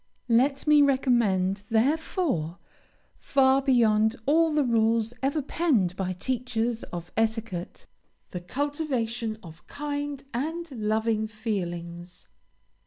Let me recommend, therefore, far beyond all the rules ever penned by teachers of etiquette, the cultivation of kind and loving feelings.